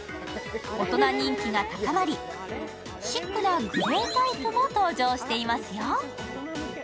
大人人気が高まり、シックなグレータイプも登場していますよ。